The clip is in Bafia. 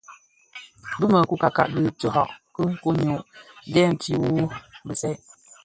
Bi mü coukaka dhi tihaň dhi koň nyô-ndhèti wu bisèè.